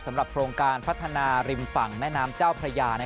โครงการพัฒนาริมฝั่งแม่น้ำเจ้าพระยา